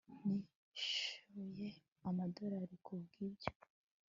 nishyuye amadorari kubwibyo